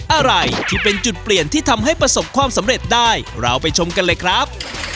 อะไรที่เป็นจุดเปลี่ยนที่ทำให้ประสบความสำเร็จได้เราไปชมกันเลยครับ